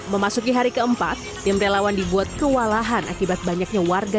memasuki hari keempat tim relawan dibuat kewalahan akibat banyaknya warga